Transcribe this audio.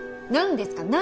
何ですか？